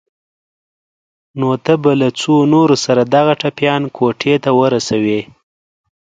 نو ته به له څو نورو سره دغه ټپيان کوټې ته ورسوې.